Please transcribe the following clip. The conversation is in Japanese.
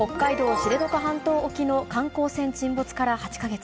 知床半島沖の観光船沈没から８か月。